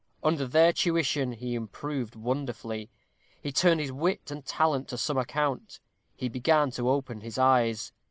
Under their tuition he improved wonderfully. He turned his wit and talent to some account. He began to open his eyes.